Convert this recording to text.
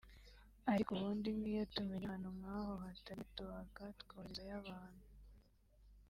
ariko ubundi nk’iyo tumenye ahantu nk’aho hatari ‘network’ twoherezayo abantu